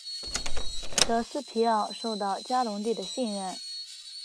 德斯皮奥受到嘉隆帝的信任。